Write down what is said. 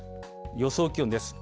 予想気温です。